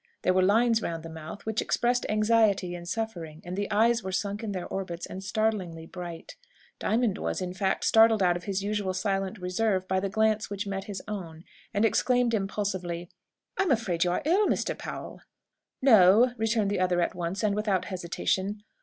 There were lines round the mouth, which expressed anxiety and suffering; and the eyes were sunk in their orbits, and startlingly bright. Diamond was, in fact, startled out of his usual silent reserve by the glance which met his own, and exclaimed, impulsively, "I'm afraid you are ill, Mr. Powell!" "No," returned the other at once, and without hesitation.